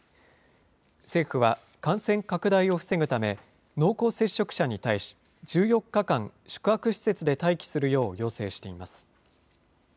政府は、感染拡大を防ぐため、濃厚接触者に対し、１４日間、宿泊施設で待機するよう要請しています。